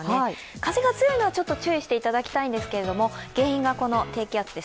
風が強いのはちょっと注意していただきたいんですが、原因がこの低気圧なんです。